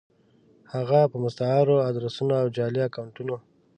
هفه په مستعارو ادرسونو او جعلي اکونټونو